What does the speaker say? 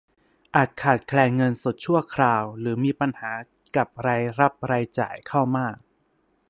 อาจขาดแคลนเงินสดชั่วคราวหรือมีปัญหากับรายรับรายจ่าย เข้ามาก